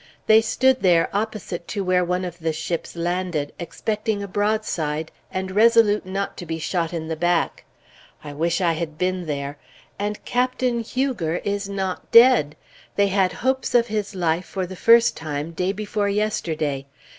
They stood there opposite to where one of the ships landed, expecting a broadside, and resolute not to be shot in the back. I wish I had been there! And Captain Huger is not dead! They had hopes of his life for the first time day before yesterday.